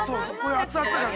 熱々だから。